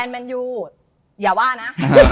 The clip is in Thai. แมนยูอย่าว่านะ